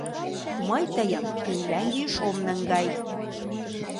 Мый тыйым Финляндийыш ом наҥгай!